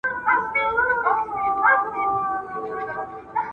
د روسیې خلک خپل ټولواک ته په درنه سترګه ګوري.